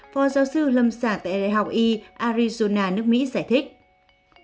phó giáo sư lâm xả tại đại học y arizona nước mỹ giải thích